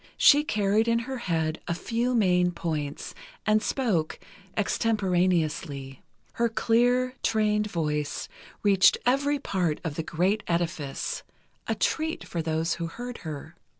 She carried in her head a few main points, and spoke extemporaneously. Her clear, trained voice, reached every part of the great edifice—a treat for those who heard her.